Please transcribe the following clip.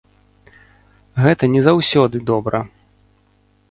Гэта не заўсёды добра.